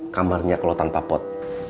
kamarnya kalau tanpa pot